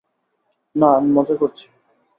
না, আমি মজা করছি।